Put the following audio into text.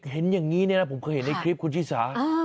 เห็นอย่างนี้เนี่ยนะผมเคยเห็นในคลิปคุณชิสา